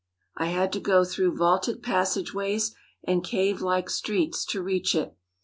I had to go through vaulted passageways and cave like streets to reach it.